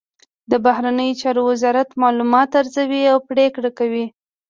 د بهرنیو چارو وزارت معلومات ارزوي او پریکړه کوي